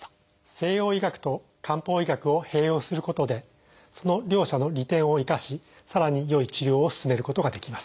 西洋医学と漢方医学を併用することでその両者の利点を生かしさらに良い治療を進めることができます。